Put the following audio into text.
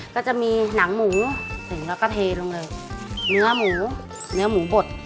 ก็จะมีหนังหมูแล้วก็เทลงเลยเนื้อหมูเนื้อหมูบด